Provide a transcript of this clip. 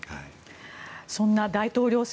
そんな大統領選